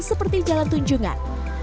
seperti jalan tunjungan